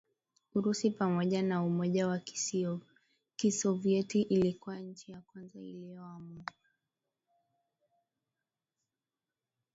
Urusi pamoja na Umoja wa Kisovyeti ilikuwa nchi ya kwanza iliyoamua